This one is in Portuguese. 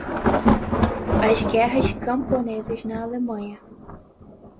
As guerras camponesas na Alemanha